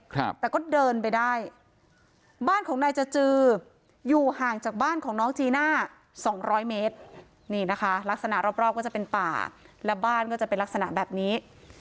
ครับแต่ก็เดินไปได้บ้านของนายจจืออยู่ห่างจากบ้านของน้องจีน่าสองร้อยเมตรนี่นะคะลักษณะรอบรอบก็จะเป็นป่าและบ้านก็จะเป็นลักษณะแบบนี้